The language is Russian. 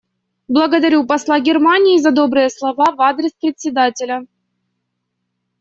Благодарю посла Германии за добрые слова в адрес Председателя.